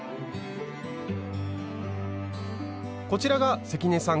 こちらが関根さん